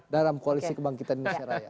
dalam koalisi kebangkitan indonesia raya